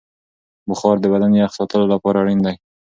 بخار د بدن یخ ساتلو لپاره اړین دی.